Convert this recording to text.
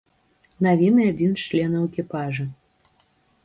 Навіны адзін з членаў экіпажа.